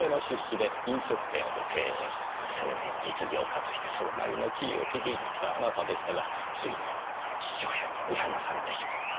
青年実業家としてそれなりの地位を築いてきたあなたでしたがついに父親に見放されてしまった。